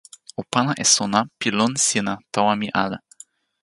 o pana e sona pi lon sina tawa mi ale.